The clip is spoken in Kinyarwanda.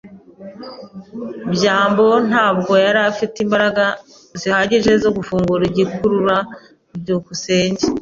byambo ntabwo yari afite imbaraga zihagije zo gufungura igikurura. byukusenge